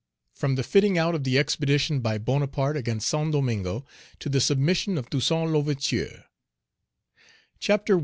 FROM THE FITTING OUT OF THE EXPEDITION BY BONAPARTE AGAINST SAINT DOMINGO TO THE SUBMISSION OF TOUSSAINT L'OUVERTURE. Page 145 CHAPTER I.